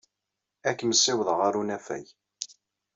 Ad kem-ssiwḍeɣ ɣer unafag.